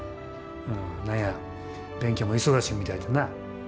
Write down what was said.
何や勉強も忙しみたいでな。